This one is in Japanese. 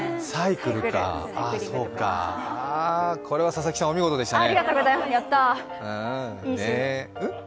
あっそうか、これは佐々木さん、お見事でしたね。